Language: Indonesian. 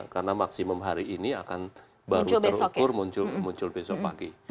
karena maksimum hari ini akan baru terukur muncul besok pagi